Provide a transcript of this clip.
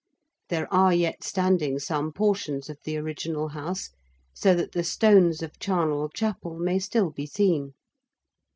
There are yet standing some portions of the original house, so that the stones of Charnel Chapel may still be seen.